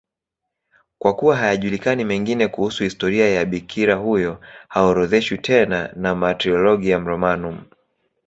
Kwa kuwa hayajulikani mengine kuhusu historia ya bikira huyo, haorodheshwi tena na Martyrologium Romanum.